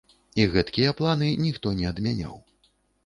І гэткія планы ніхто не адмяняў.